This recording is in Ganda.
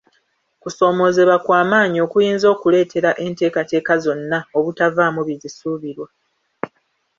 Kusomooza kwa maanyi okuyinza okuleetera enteekateeka zonna obutavaamu bizisuubirwa.